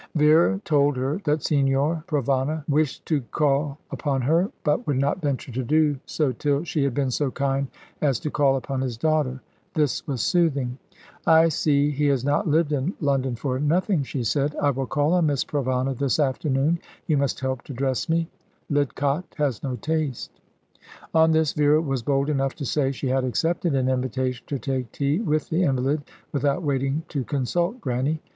Vera told her that Signor Provana wished to call upon her, but would not venture to do so till she had been so kind as to call upon his daughter. This was soothing. "I see he has not lived in London for nothing!" she said. "I will call on Miss Provana this afternoon. You must help to dress me. Lidcott has no taste." On this Vera was bold enough to say she had accepted an invitation to take tea with the invalid, without waiting to consult Grannie.